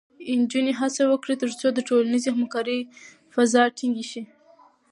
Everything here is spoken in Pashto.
نجونې هڅه وکړي، ترڅو د ټولنیزې همکارۍ فضا ټینګې شي.